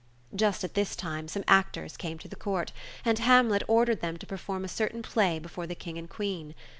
Just at this time some actors came to the Court, and Hamlet ordered them to perform a certain play before the King and Queen.